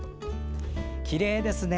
きれいですね。